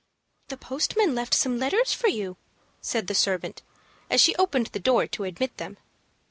"The postman left some letters for you," said the servant, as she opened the door to admit them.